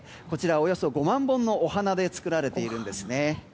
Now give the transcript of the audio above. こちら、およそ５万本のお花で作られているんですね。